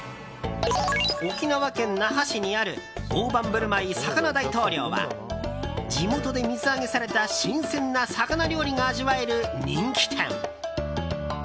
沖縄県那覇市にある大ばんぶる舞さかな大統漁は地元で水揚げされた新鮮な魚料理が味わえる人気店。